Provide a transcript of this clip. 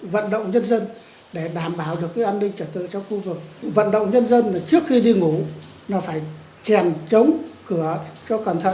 vận động nhân dân trước khi đi ngủ phải chèn trống cửa cho cẩn thận